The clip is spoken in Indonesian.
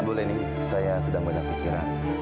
bu leni saya sedang beda pikiran